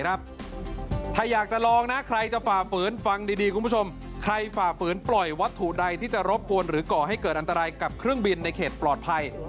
ถ้าอยากจะลองนะใครจะฝ่าฝืนฟังดีคุณผู้ชมใครฝ่าฝืนปล่อยวัตถุใดที่จะรบกวนหรือก่อให้เกิดอันตรายกับเครื่องบินในเขตปลอดภัย